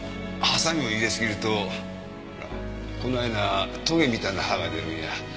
鋏を入れすぎるとほらこないなトゲみたいな葉が出るんや。